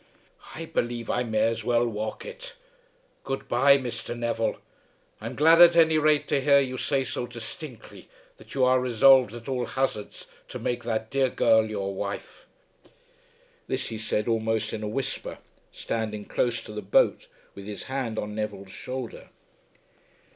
"I believe I may as well walk it. Good bye, Mr. Neville. I'm glad at any rate to hear you say so distinctly that you are resolved at all hazards to make that dear girl your wife." This he said, almost in a whisper, standing close to the boat, with his hand on Neville's shoulder.